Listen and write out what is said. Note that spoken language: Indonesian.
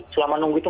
selama nunggu itu